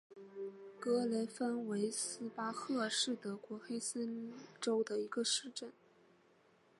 格雷芬维斯巴赫是德国黑森州的一个市镇。